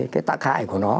cái tạc hại của nó